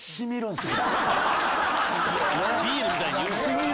ビールみたいに言うな。